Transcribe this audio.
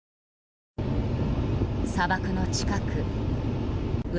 砂漠の近く内